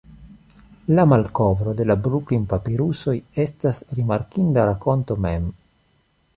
La malkovro de la Bruklin-papirusoj estas rimarkinda rakonto mem.